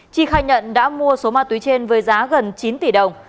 chi khai nhận đã mua số ma túy trên với giá gần chín tỷ đồng